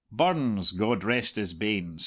Burns (God rest his banes!)